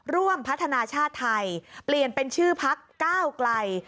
ร่วมพัฒนาชาติไทยเปลี่ยนเป็นชื่อพักก้าวไกล